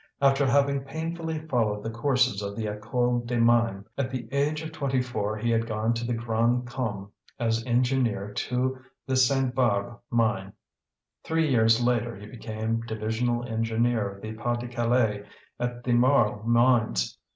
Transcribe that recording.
After having painfully followed the courses of the École des Mines, at the age of twenty four he had gone to the Grand' Combe as engineer to the Sainte Barbe mine. Three years later he became divisional engineer in the Pas de Calais, at the Marles mines.